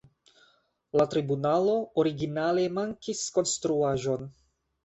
La tribunalo originale mankis konstruaĵon.